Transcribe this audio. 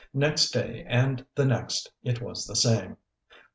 Next day and the next it was the same.